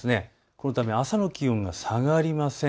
このため朝の気温は下がりません。